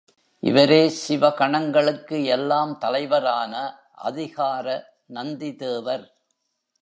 இவரே சிவ கணங்களுக்கு எல்லாம் தலைவரான அதிகார நந்திதேவர்.